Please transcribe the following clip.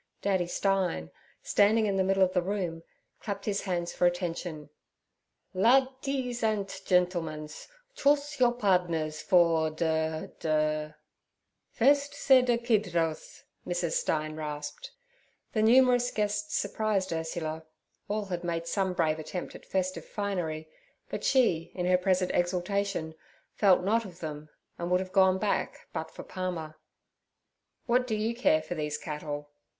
Daddy Stein, standing in the middle of the room, clapped his hands for attention. 'Ladtties andt gentlemens, chooss your pardners for der—der—' 'Firsd sed er kiddrills' Mrs. Stein rasped. The numerous guests surprised Ursula. All had made some brave attempt at festive finery, but she, in her present exultation, felt not of them, and would have gone back but for Palmer. 'What do you care for these cattle?'